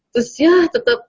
terus ya tetep